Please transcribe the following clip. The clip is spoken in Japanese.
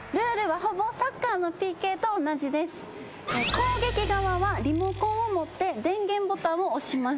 攻撃側はリモコンを持って電源ボタンを押します。